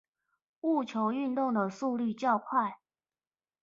戊球運動的速率較快